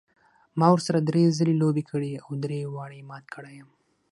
ما ورسره درې ځلې لوبه کړې او درې واړه یې مات کړی یم.